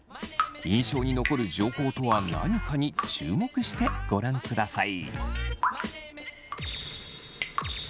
印象に残る情報とは何かに注目してご覧ください。